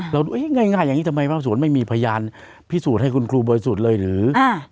เราดูง่ายอย่างนี้ทำไมภาคสวนไม่มีพยานพิสูจน์ให้คุณครูบริสุทธิ์เลยหรือ